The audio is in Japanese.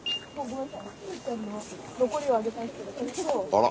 あら。